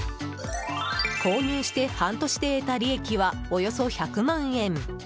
購入して半年で得た利益はおよそ１００万円。